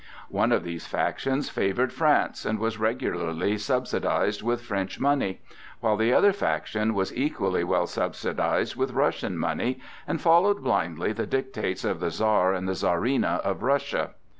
One of these factions favored France and was regularly subsidized with French money, while the other faction was equally well subsidized with Russian money and followed blindly the dictates of the Czar and Czarina of Russia.